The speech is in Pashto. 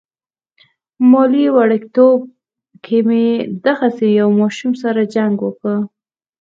مالې وړوکتوب کې مې دغسې يو ماشوم سره جنګ وکه.